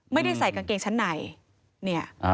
ไม่ได้ใส่กางเกงชั้นไหน